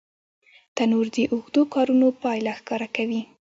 تنور د اوږدو کارونو پایله ښکاره کوي